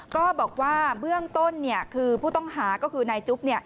ก็บอกว่าเบื้องต้นคือผู้ต้องหาก็คือนายจุ๊บ